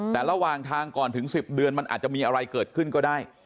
แต่ระหว่างทางก่อนถึง๑๐เดือนมันอาจจะมีอะไรเกิดขึ้นก็ได้